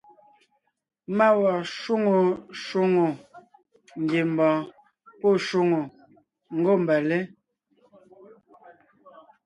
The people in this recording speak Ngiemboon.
Má wɔɔn shwóŋo shwóŋò ngiembɔɔn pɔ́ shwòŋo ngômbalé.